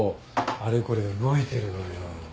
あれこれ動いてるのよ。